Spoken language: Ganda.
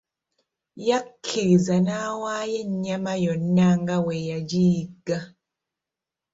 Yakkiriza nawaayo ennyama yonna nga bwe yagiyigga.